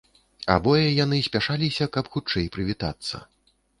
Абое яны спяшаліся, каб хутчэй прывітацца.